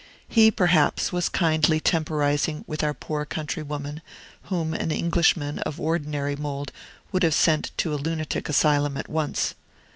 He, perhaps, was kindly temporizing with our poor countrywoman, whom an Englishman of ordinary mould would have sent to a lunatic asylum at once.